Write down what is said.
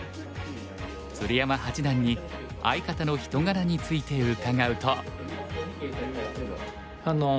鶴山八段に相方の人柄について伺うと。